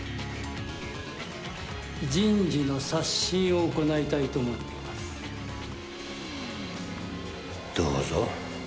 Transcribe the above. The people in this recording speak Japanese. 人事の刷新を行いたいと思っどうぞ。